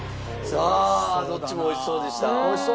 さあどっちも美味しそうでした。